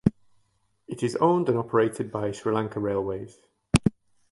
It is owned and operated by Sri Lanka Railways.